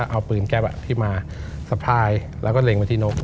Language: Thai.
เอาปืนแก๊ปที่มาสะพายแล้วก็เล็งไปที่นก